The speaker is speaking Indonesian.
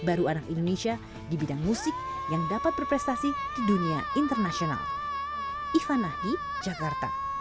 dan juga dapat menemukan lebih banyak lagi bakal